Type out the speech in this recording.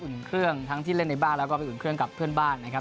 เครื่องทั้งที่เล่นในบ้านแล้วก็ไปอุ่นเครื่องกับเพื่อนบ้านนะครับ